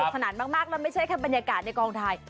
สนานมากแล้วไม่ใช่แค่บรรยากาศในกองไทย